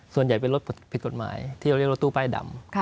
ส่วนใหญ่เป็นรถผิดกฎหมายที่เราเรียกรถตู้ป้ายดำ